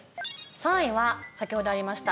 ３位は先ほどありました